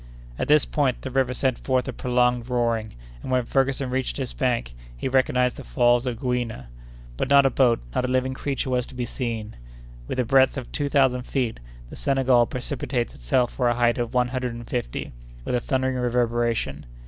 At this point the river sent forth a prolonged roaring; and when Ferguson reached its bank, he recognized the falls of Gouina. But not a boat, not a living creature was to be seen. With a breadth of two thousand feet, the Senegal precipitates itself for a height of one hundred and fifty, with a thundering reverberation.